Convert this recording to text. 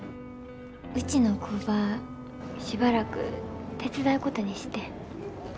うちの工場しばらく手伝うことにしてん。